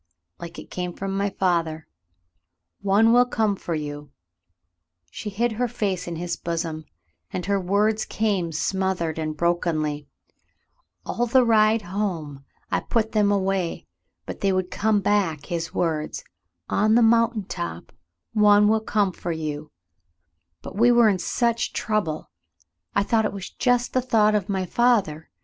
"Like it came from my father: *One will come for you.' " She hid her face in his bosom, and her words came smothered and brokenly, "All the ride home I put them away, but they would come back, his words: *0n the mountain top, one will come for you '; but we were in such trouble — I thought it was just the thought of my father.